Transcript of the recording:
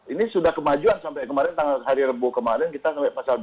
ini sudah kemajuan sampai kemarin tanggal hari rebu kemarin kita sampai pasal dua puluh